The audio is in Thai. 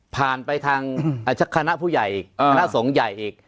ผ่านไปทางคณะผู้ใหญ่อีกคณะสงฆ์ใหญ่อีก